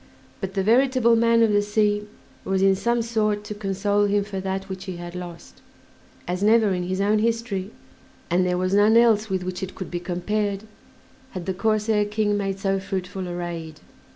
But "the veritable man of the sea" was in some sort to console him for that which he had lost; as never in his own history and there was none else with which it could be compared had the Corsair King made so fruitful a raid.